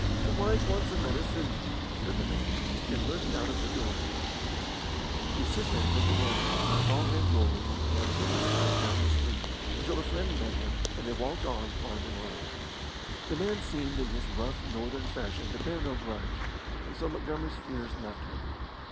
"T' wife wants her medicine," said the man, and lurched out at the door. The assistant, looking after him, saw him rolling, with an uncertain step, down the street, until a friend met him, and they walked on arm in arm. The man seemed in his rough Northern fashion to bear no grudge, and so Montgomery's fears left him.